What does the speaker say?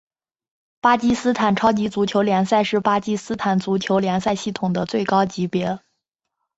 巴基斯坦超级足球联赛是巴基斯坦足球联赛系统的最高级别。